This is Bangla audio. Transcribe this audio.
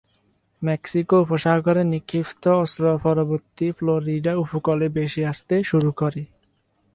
মেক্সিকো উপসাগরে নিক্ষিপ্ত অস্ত্র পরবর্তিতে ফ্লোরিডা উপকূলে ভেসে আসতে শুরু করে।